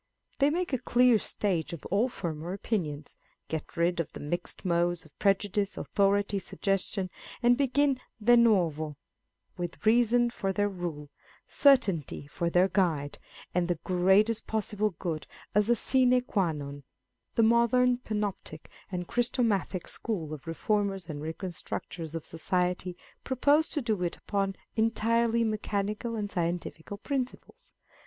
They make a clear stage of all former opinions â€" get rid of the mixed modes of prejudice, authority, suggestion â€" and begin de novo, with reason for their rule, certainty for their guide, and the greatest possible good as a bine qua nm. The modern Panoptic and Christomathic School of reformers and reconstructors of society propose to do it upon entirely mechanical and scientific principles.